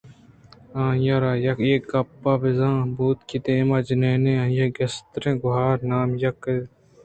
آئی ءَ را اے گپ ءَبژن بوت کہ دیم ءِ جنین ءُآئی ءِ کستریں گوٛہارءِ نام یک اِت اَنت